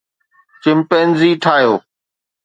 chimpanzee ٺاهيو